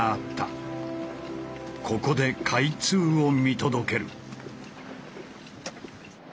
ここで開通を見届ける。